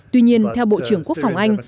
tuy nhiên theo bộ trưởng quốc phòng anh